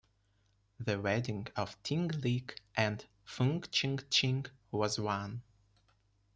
The wedding of Ting Lik and Fung Ching-ching was one.